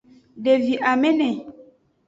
Devi amene.